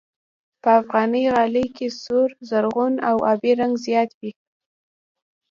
په افغاني غالۍ کې سور، زرغون او آبي رنګ زیات وي.